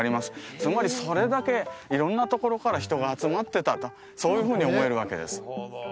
つまりそれだけ色んなところから人が集まってたとそういうふうに思えるわけです